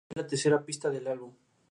Es la tercera pista del álbum.